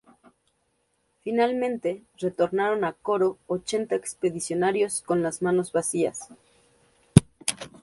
Finalmente, retornaron a Coro ochenta expedicionarios con las manos vacías.